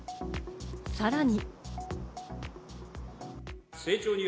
さらに。